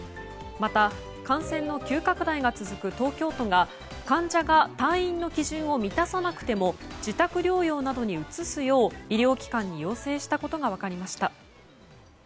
また感染の急拡大が続く東京都が患者が退院の基準を満たさなくても自宅療養などに移すよう医療機関に要請したことが分かりました。